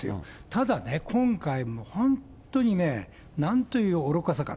ただね、今回もう本当にね、なんという愚かさか。